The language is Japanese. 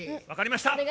わかりました。